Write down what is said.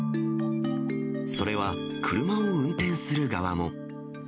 それは、車を運転する側も。